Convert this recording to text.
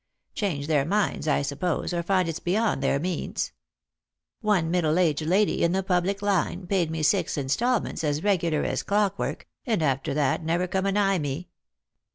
Change their minds, I suppose, or find it's beyond their means One middle aged lady, in the public line, paid me six instal* ments as regular as clockwork, and after that never come anigh me.